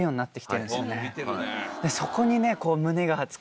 そこにね。